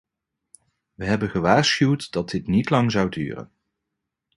We hebben gewaarschuwd dat dit niet lang zou duren.